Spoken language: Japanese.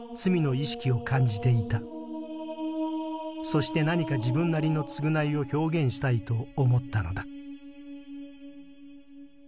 そして何か自分なりの償いを表現したいと思ったのだ」。